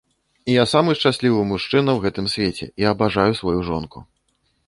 Я самы шчаслівы мужчына ў гэтым свеце, я абажаю сваю жонку.